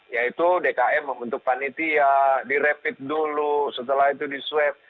yaitu dkm membentuk panitia direpit dulu setelah itu disueb